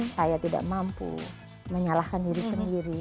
saya tidak mampu menyalahkan diri sendiri